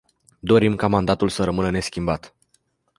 Dorim ca mandatul să rămână neschimbat.